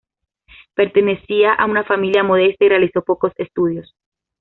Pertenecía a una familia modesta y realizó pocos estudios.